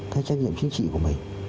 cái trách nhiệm chính trị của mình